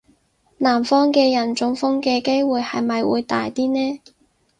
南方嘅人中風嘅機會係咪會大啲呢?